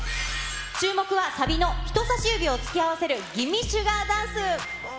注目は、サビの人さし指を突き合わせるギミッシュガーダンス。